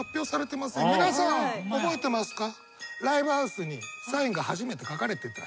皆さん覚えてますか？